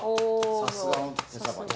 さすがの手さばき。